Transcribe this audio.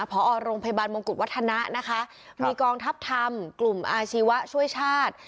พอโรงพยาบาลมงกุฎวัฒนะนะคะมีกองทัพธรรมกลุ่มอาชีวะช่วยชาติ